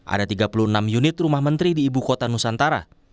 ada tiga puluh enam unit rumah menteri di ibu kota nusantara